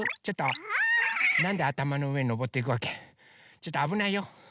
ちょっとあぶないよ。